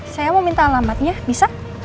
saya mau minta alamatnya bisa